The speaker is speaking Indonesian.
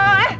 ya ampun mak